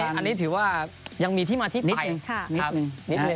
อันนี้ถือว่ายังมีที่มาที่ไปนิดนึ